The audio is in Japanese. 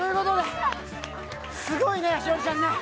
すごいね、栞里ちゃんね。